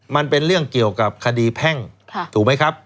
มันเป็นเรื่องเกี่ยวกับคดีแพ่งถูกไหมครับ